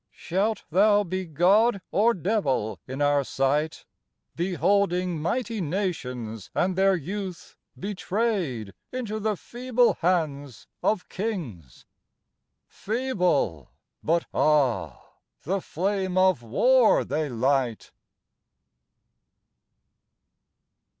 Shalt thou be god or devil in our sight, Beholding mighty nations and their youth Betrayed into the feeble hands of kings? Feeble, but ah! the flame of war they light!